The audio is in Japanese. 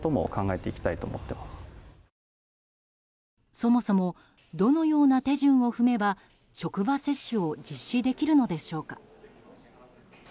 そもそもどのような手順を踏めば職場接種を実施できるのでしょうか。